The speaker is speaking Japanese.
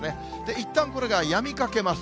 いったんこれがやみかけます。